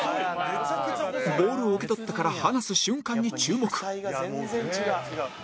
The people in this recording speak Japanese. ボールを受け取ってから離す瞬間に注目